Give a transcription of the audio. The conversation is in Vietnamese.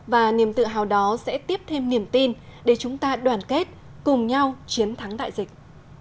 và niềm tự hào đó sẽ tiếp thêm niềm tin để chúng ta đoàn kết cùng nhau chiến thắng đại dịch